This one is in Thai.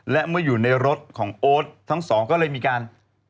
และเมื่ออยู่ในรถของโอ๊ตทั้งสองก็เลยมีการ